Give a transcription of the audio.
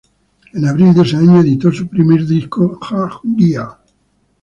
En abril de ese año editó su primer disco, "Jah Guía".